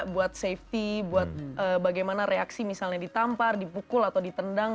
buat safety buat bagaimana reaksi misalnya ditampar dipukul atau ditendang